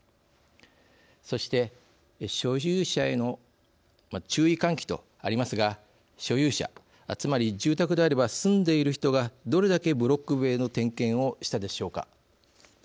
そして所有者への注意喚起とありますが所有者つまり住宅であれば住んでいる人がどれだけブロック塀の点検をしたでしょうか。